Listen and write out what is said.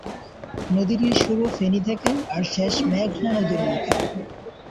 নদীটির শুরু ফেনী থেকে আর শেষ মেঘনা নদীর মুখে।